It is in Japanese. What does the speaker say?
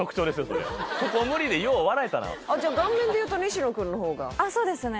それそこ無理でよう笑えたなじゃあ顔面でいうと西野君の方があっそうですね